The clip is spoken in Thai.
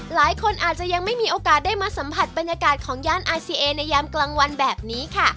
หลายคนอาจจะยังไม่มีโอกาสได้มาสัมผัสบรรยากาศของย่านอาซีเอในยามกลางวันแบบนี้ค่ะ